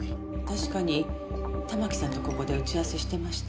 確かに玉木さんとここで打ち合わせしてました。